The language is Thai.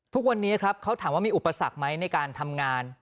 ทุกวันนี้ครับเขาถามว่ามีอุปสรรคไหมในการทำงาน